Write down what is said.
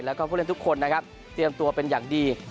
แล้วก็ผู้เล่นทุกคนนะครับเตรียมตัวเป็นอย่างดี